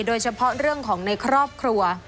โดยเฉพาะเรื่องของในครอบครัว